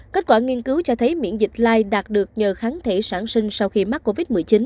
kết quả nghiên cứu cho thấy miễn dịch lai đạt được nhờ kháng thể sản sinh sau khi mắc covid một mươi chín